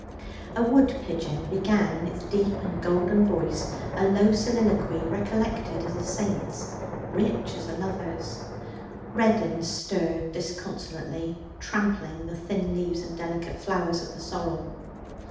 A wood pigeon began in its deep and golden voice a low soliloquy recollected as a saint's, rich as a lover's. Reddin stirred disconsolately, trampling the thin leaves and delicate flowers of the sorrel.